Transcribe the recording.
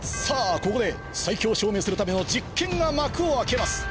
ここで最強を証明するための実験が幕を開けます